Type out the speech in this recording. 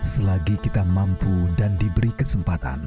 selagi kita mampu dan diberi kesempatan